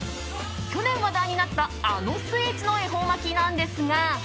去年話題になったあのスイーツの恵方巻きなんですが